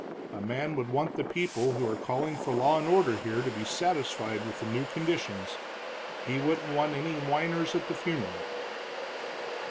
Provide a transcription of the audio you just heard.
A man would want the people who are calling for law and order here to be satisfied with the new conditions; he wouldn't want any whiners at the funeral."